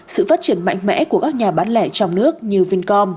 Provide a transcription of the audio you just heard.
sự phát triển mạnh mẽ của các nhà bán lẻ trong nước như vincom